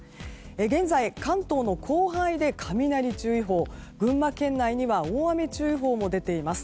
現在、関東の広範囲で雷注意報群馬県内には大雨注意報も出ています。